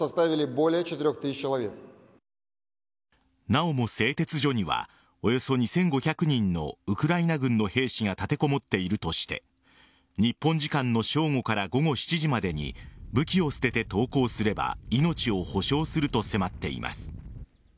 なおも製鉄所にはおよそ２５００人のウクライナ軍の兵士が立てこもっているとして日本時間の正午から午後７時までに武器を捨てて投降すれば命を保証すると迫っています。